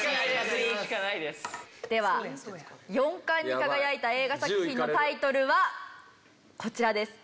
では４冠に輝いた映画作品のタイトルはこちらです。